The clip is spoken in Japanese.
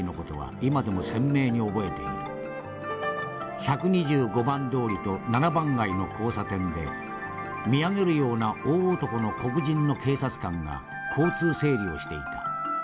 １２５番通りと７番街の交差点で見上げるような大男の黒人の警察官が交通整理をしていた。